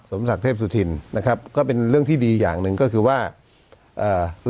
สมศักดิ์เทพสุธินนะครับก็เป็นเรื่องที่ดีอย่างหนึ่งก็คือว่าเอ่อ